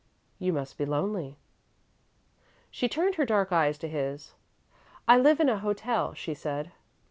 "You must be lonely." She turned her dark eyes to his. "I live in a hotel," she said.